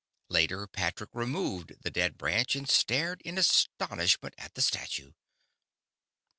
Later Patrick removed the dead branch and stared in astonishment at the Statue.